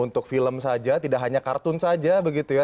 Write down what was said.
untuk film saja tidak hanya kartun saja begitu ya